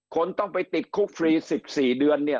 คนต้องไปติดคุกฟรี๑๔เดือน